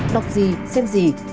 hai đọc diễn